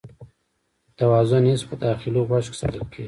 د توازن حس په داخلي غوږ کې ساتل کېږي.